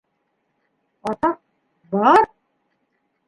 Атаҡ, бар!